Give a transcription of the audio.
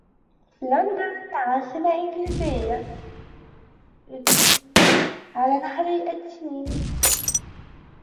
لندن, عاصمة إنجلترا, علي نهر التيمز.